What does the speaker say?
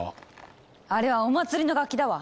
あれはお祭りの楽器だわ。